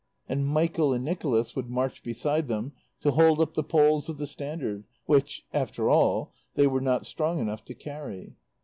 And Michael and Nicholas would march beside them to hold up the poles of the standard which, after all, they were not strong enough to carry.